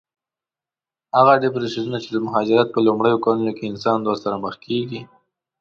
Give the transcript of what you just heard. هغه ډېپریشنونه چې د مهاجرت په لومړیو کلونو کې انسان ورسره مخ کېږي.